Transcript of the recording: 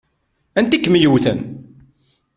Anti i kem-yewwten?